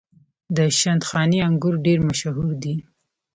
د شندخاني انګور ډیر مشهور دي.